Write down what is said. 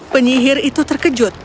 penyihir itu terkejut